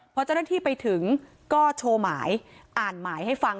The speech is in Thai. พอเจ้าหน้าที่ไปถึงก็โชว์หมายอ่านหมายให้ฟัง